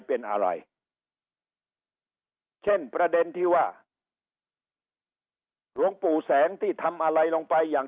เป็นอะไรเช่นประเด็นที่ว่าหลวงปู่แสงที่ทำอะไรลงไปอย่าง